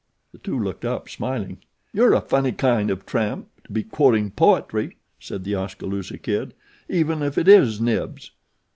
The two looked up, smiling. "You're a funny kind of tramp, to be quoting poetry," said The Oskaloosa Kid, "even if it is Knibbs'."